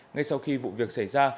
ngay sau khi vụ việc xảy ra